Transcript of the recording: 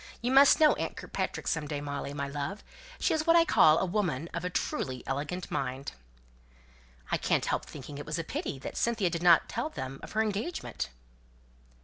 You must know aunt Kirkpatrick some day, Molly, my love; she is what I call a woman of a truly elegant mind." "I can't help thinking it was a pity that Cynthia did not tell them of her engagement."